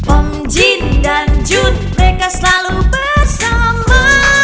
om jin dan jun mereka selalu bersama